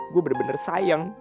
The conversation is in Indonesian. gue bener bener sayang